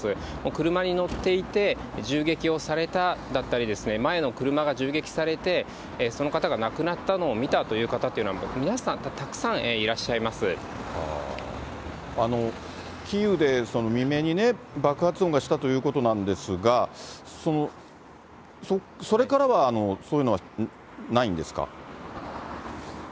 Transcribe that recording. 車に乗っていて銃撃をされただったりですね、前の車が銃撃されて、その方が亡くなったのを見たという方というのは、皆さん、たくさキーウで未明にね、爆発音がしたということなんですが、それからはそういうのはないんですか？